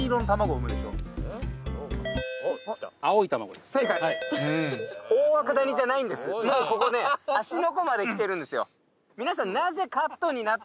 もうここね芦ノ湖まで来てるんですよ。